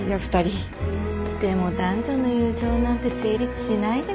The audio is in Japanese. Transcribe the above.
でも男女の友情なんて成立しないですよ。